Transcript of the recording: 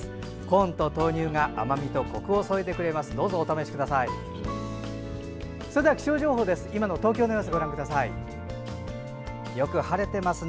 コーンと豆乳が甘みと、こくを添えてくれます。